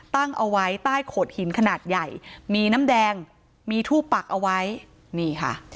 ตั้งเอาไว้ใต้โขดหินขนาดใหญ่มีน้ำแดงมีทูบปักเอาไว้นี่ค่ะ